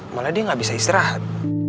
malah dia nggak bisa istirahat